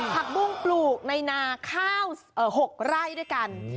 ผักบุ้งปลูกในนาข้าว๖ไร่ด้วยกัน